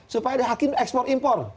supaya ada hakim ekspor impor